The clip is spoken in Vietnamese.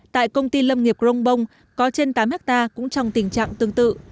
tại công ty lâm nghiệp grongbong có trên tám ha cũng trong tình trạng tương tự